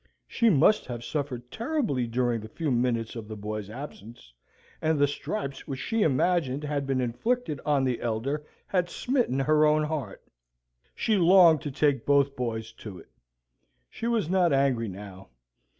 She must have suffered terribly during the few minutes of the boys' absence; and the stripes which she imagined had been inflicted on the elder had smitten her own heart. She longed to take both boys to it. She was not angry now.